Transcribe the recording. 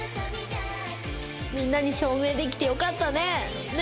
みんなに証明できてよかったねえね